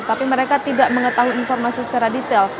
tapi mereka tidak mengetahui informasi secara detail